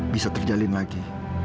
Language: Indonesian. bisa terjalin lagi